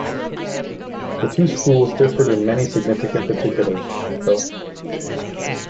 The two schools differed in many significant particulars, though.